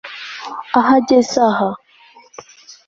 Aha ageze aha